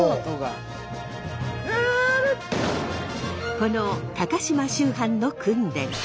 この高島秋帆の訓練。